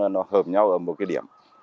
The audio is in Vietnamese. nó hợp nhau ở một địa điểm